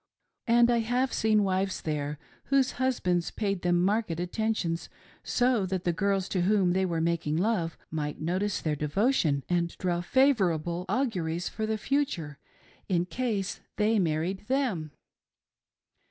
And I have seen wives there whose husbands paid them marked attentions, so that the girls to whom they were making love might notice their devotion and draw favorable auguries for the future in case thej married them.